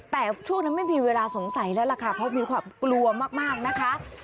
แต่ช่วงนั้นไม่มีเวลาสงสัยแล้วล่ะค่ะเพราะมีความกลัวมากนะคะ